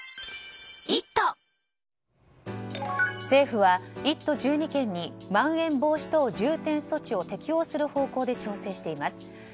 政府は１都１２県にまん延防止等重点措置を適用する方向で調整しています。